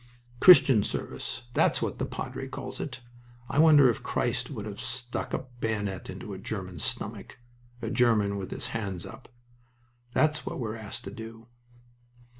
"Christian service, that's what the padre calls it. I wonder if Christ would have stuck a bayonet into a German stomach a German with his hands up. That's what we're asked to do."